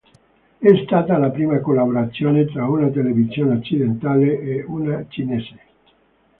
È stata la prima collaborazione tra una televisione occidentale e una cinese.